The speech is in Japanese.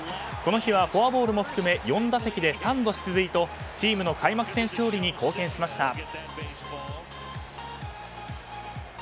この日はフォアボールも含め４打席で３度出塁とチームの開幕戦勝利に貢献しました。